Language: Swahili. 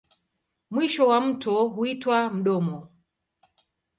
Mwisho wa mto huitwa mdomo.